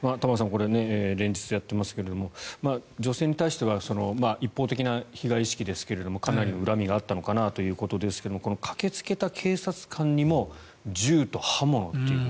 これ、連日やってますけど女性に対しては一方的な被害意識ですがかなり恨みがあったのかなということですがこの駆けつけた警察官にも銃と刃物という。